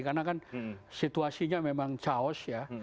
karena kan situasinya memang caos ya